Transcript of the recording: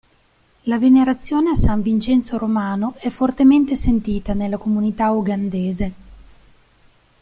La venerazione a San Vincenzo Romano è fortemente sentita nella comunità ugandese.